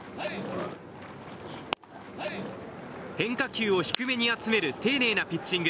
変化球を低めに集める丁寧なピッチング。